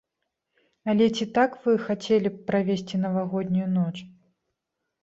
Але ці так вы хацелі б правесці навагоднюю ноч?